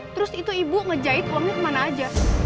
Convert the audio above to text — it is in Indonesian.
terus itu ibu ngejahit uangnya kemana aja